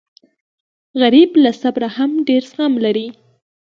غریب له صبره هم ډېر زغم لري